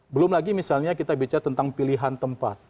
belum lagi misalnya kita bicara tentang pilihan tempat